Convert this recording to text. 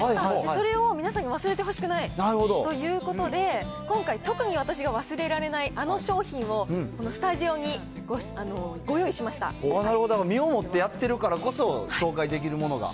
それを皆さんに忘れてほしくないということで、今回、特に私が忘れられないあの商品を、なるほど、身をもってやってるからこそ紹介できるものが。